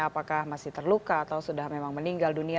apakah masih terluka atau sudah memang meninggal dunia